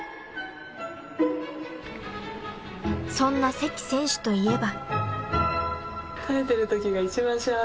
［そんな関選手といえば］